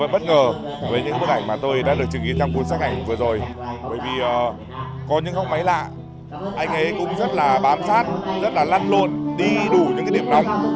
bởi vì có những góc máy lạ anh ấy cũng rất là bám sát rất là lăn lộn đi đủ những điểm nóng